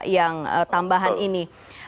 yang tambahan ini